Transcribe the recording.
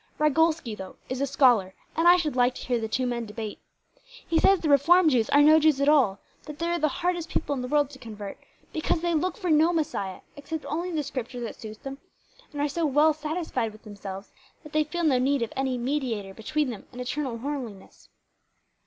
Ragolsky, though, is a scholar, and I should like to hear the two men debate. He says the Reform Jews are no Jews at all that they are the hardest people in the world to convert, because they look for no Messiah, accept only the Scripture that suits them, and are so well satisfied with themselves that they feel no need of any mediator between them and eternal holiness.